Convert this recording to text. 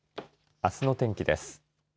あすの天気です。